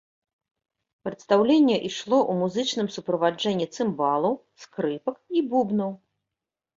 Прадстаўленне ішло ў музычным суправаджэнні цымбалаў, скрыпак і бубнаў.